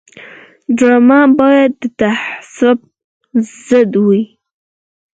ډرامه باید د تعصب ضد وي